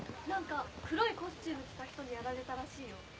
何か黒いコスチューム着た人にやられたらしいよ。